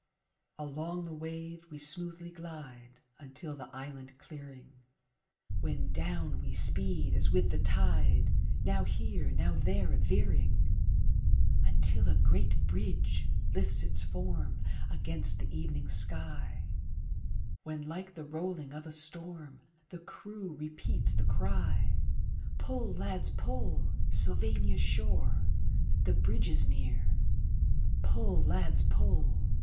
V Along the wave we smoothly glide Until the island clearing, When down we speed as with the tide, Now here, now there a veering, Until a great bridge lifts its form Against the evening sky, When like the rolling of a storm The crew repeats the cry: Pull, lads, pull! Sylvania's shore! The Bridge is near! Pull, lads, pull!